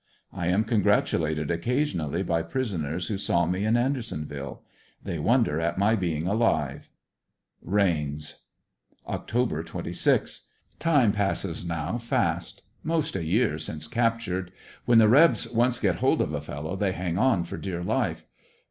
I am congratulated occasionally by prison ers who saw me in Andersonville. They wonder at my being alive. Rains Oct. 26. — Time passes now fast; most a year since captured. When the Rebs once get hold of a fellow they hang on for dear life.